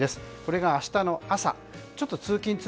これが明日の朝です。